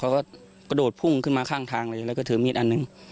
แล้วก็โดดพุ่งขึ้นมาข้างทางเลยแล้วก็เถอะมีดอันนึง